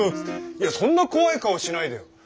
いやそんな怖い顔しないでよ。